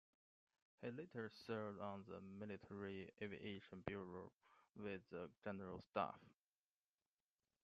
He later served on the Military Aviation Bureau within the General Staff.